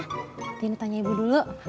tadi ini tanya ibu dulu